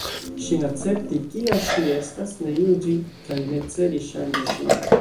Ŝin akcepti, kia ŝi estas, ne juĝi kaj ne celi ŝanĝi ŝin.